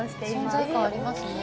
存在感ありますね。